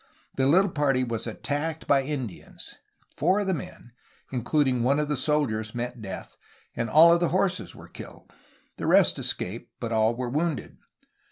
The little party was attacked by Indians. Foiu of the men, including one of the soldiers, met death, and all of the horses were killed. The rest escaped, but all were wounded.